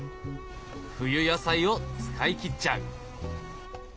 冬野菜を使い切っちゃう。